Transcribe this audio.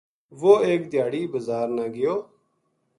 وہ ایک دھیاڑی بزار نا گیو